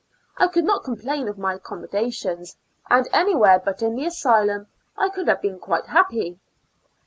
I could not complain of my accommodations, and anywhere but in an asylum, I could have been quite happy.